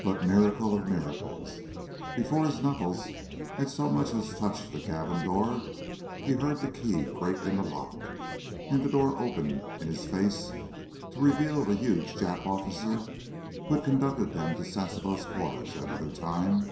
But, miracle of miracles, before his knuckles had so much as touched the cabin door, he heard the key grate in the lock, and the door opened in his face to reveal the huge Jap officer who had conducted them to Sasebo's quarters that other time.